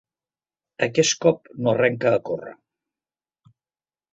Aquest cop no arrenca a córrer.